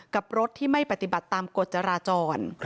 กับรถที่ไม่ปฏิบัติตามกฎจราจร